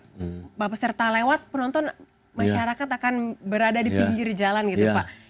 kalau peserta lewat penonton masyarakat akan berada di pinggir jalan gitu pak